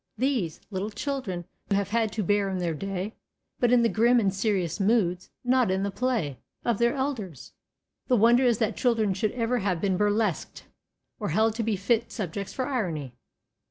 These, little children have had to bear in their day, but in the grim and serious moods not in the play of their elders. The wonder is that children should ever have been burlesqued, or held to be fit subjects for irony.